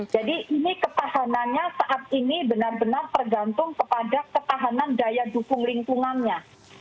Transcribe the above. jadi ini ketahanannya saat ini benar benar tergantung kepada ketahanan daya dukung lingkungannya